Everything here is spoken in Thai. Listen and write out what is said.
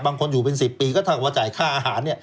บางคนอยู่เป็น๑๐ปีก็ถ้าว่าจ่ายค่าอาหารเนี่ย